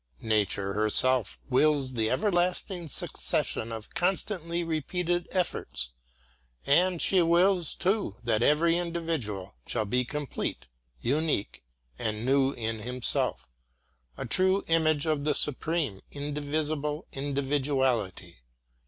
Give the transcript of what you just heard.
Nature herself wills the everlasting succession of constantly repeated efforts; and she wills, too, that every individual shall be complete, unique and new in himself a true image of the supreme, indivisible Individuality.